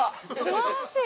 素晴らしい。